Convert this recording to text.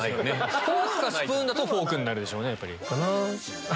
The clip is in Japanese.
フォークかスプーンだとフォークになるでしょうね。